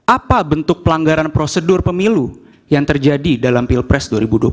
apa bentuk pelanggaran prosedur pemilu yang terjadi dalam pilpres dua ribu dua puluh empat